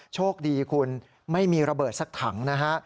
โชคดีคุณไม่มีระเบิดสักถังนะฮะ